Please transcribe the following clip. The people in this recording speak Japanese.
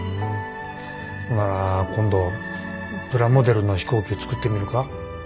ほなら今度プラモデルの飛行機作ってみるか？